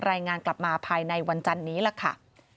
รายงานกลับมาภายในวันจันนี้ล่ะค่ะ